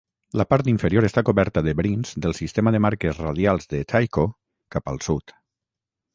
La part inferior està coberta de brins del sistema de marques radials de Tycho cap al sud.